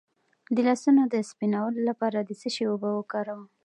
د لاسونو د سپینولو لپاره د څه شي اوبه وکاروم؟